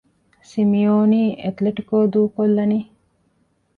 ސިމިއޯނީ އެތުލެޓިކޯ ދޫކޮށްލަނީ؟